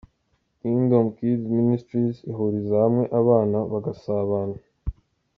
Kingdom Kids Ministries ihuriza hamwe abana bagasabana.